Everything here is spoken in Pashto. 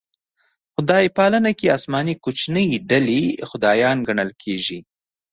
خدای پالنه کې اسماني کوچنۍ ډلې خدایان ګڼل کېږي.